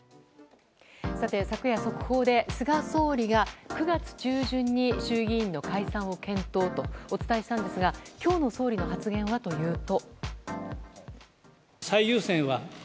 昨夜速報で菅総理が９月中旬に衆議院の解散を検討とお伝えしたんですが今日の総理の発言はというと。